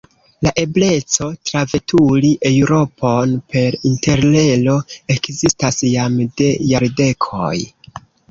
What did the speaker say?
La ebleco traveturi Eŭropon per Interrelo ekzistas jam de jardekoj.